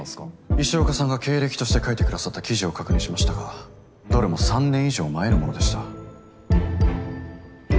石岡さんが経歴として書いてくださった記事を確認しましたがどれも３年以上前のものでした。